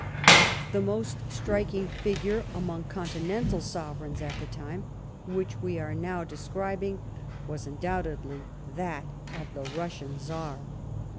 The most striking figure among continental sov ereigns at the time which we are now describing was undoubtedly that of the Russian Czar.